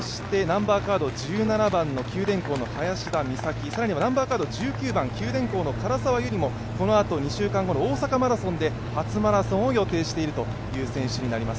１７番の九電工の林田美咲、更には１９番九電工の唐沢よりもこのあと２週間後の大阪マラソンで初マラソンを予定しているという選手になります。